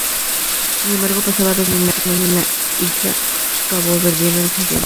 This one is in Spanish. Sin embargo, pasaba dos meses del año en la isla caboverdiana de Santiago.